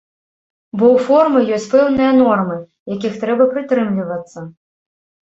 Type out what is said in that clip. Бо ў формы ёсць пэўныя нормы, якіх трэба прытрымлівацца.